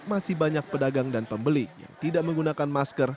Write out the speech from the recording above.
masih banyak pedagang dan pembeli yang tidak menggunakan masker